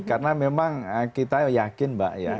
karena memang kita yakin mbak ya